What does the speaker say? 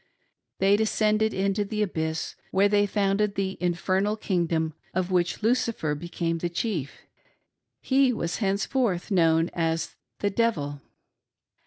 They descended into the abyss, where they founded the infernal Icingdom, of which Lucifer became the chief :— he was henceforth known as the Devil.